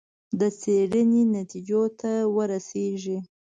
د څېړنې نتیجو ته ورسېږي.